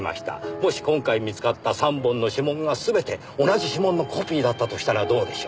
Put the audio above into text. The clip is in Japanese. もし今回見つかった３本の指紋が全て同じ指紋のコピーだったとしたらどうでしょう。